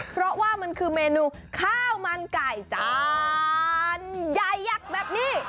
เพราะว่ามันคือเมนูข้าวมันไก่จานใหญ่ยักษ์แบบนี้